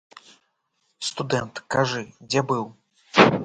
Студэнт, кажы, дзе быў?